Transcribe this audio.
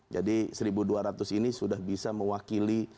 jadi seribu dua ratus ini sudah bisa mewakili